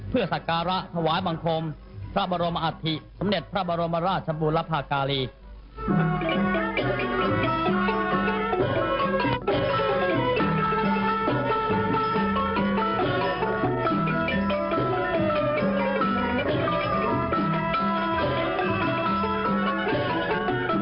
เพื่อสักการะถวายบังคมพระบรมอัฐิสมเด็จพระบรมราชบูรพากาลี